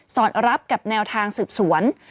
อดรับกับแนวทางสืบสวน